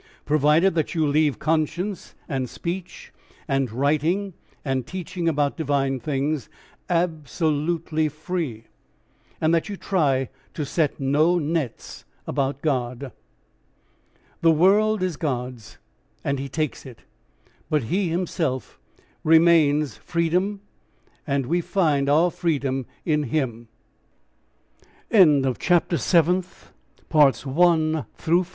Provided that you leave conscience and speech and writing and teaching about divine things absolutely free, and that you try to set no nets about God. The world is God's and he takes it. But he himself remains freedom, and we find our freedom in him. THE ENVOY So I end this compact statement of the re